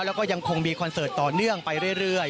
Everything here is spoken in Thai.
แล้วก็ยังคงมีคอนเสิร์ตต่อเนื่องไปเรื่อย